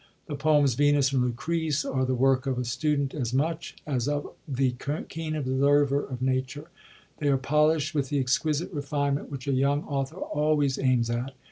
The poems, Vemis and Lucrece, are the work of a student as much as of the keen observer of nature. They are polisht with the exquisite refinement which a young author always aims at.